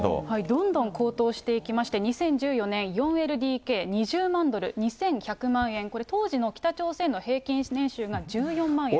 どんどん高騰していきまして、２０１４年、４ＬＤＫ、２０万ドル、２１００万円、これ、当時の北朝鮮の平均年収が１４万円です。